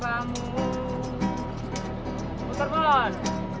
aku mau turun